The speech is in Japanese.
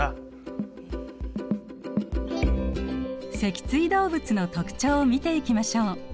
脊椎動物の特徴を見ていきましょう。